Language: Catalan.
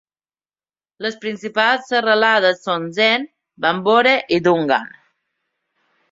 Les principals serralades són Zen, Bambore i Dungan.